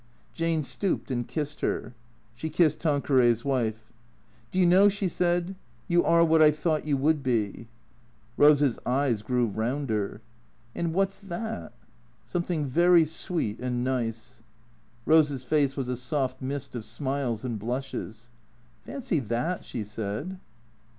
Jane stooped and kissed her. She kissed Tanqueray's wife. " Do you know," she said, " you are what I thought you would be." T H B C R E A T 0 K S 139 Rose's eyes grew rounder. " And what 's that ?"" Something very sweet and nice." Rose's face was a soft mist of smiles and blushes. " Fancy that," she said.